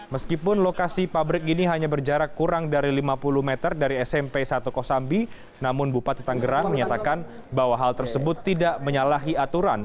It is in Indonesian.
meskipun lokasi pabrik ini hanya berjarak kurang dari lima puluh meter dari smp satu kosambi namun bupati tanggerang menyatakan bahwa hal tersebut tidak menyalahi aturan